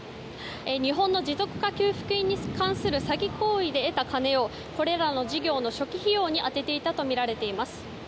日本の持続化給付金に関する詐欺行為で得た金をこれらの事業の初期費用に充てていたとみられています。